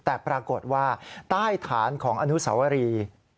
แต่ปรากฏว่าใต้ฐานของอนุสาวรี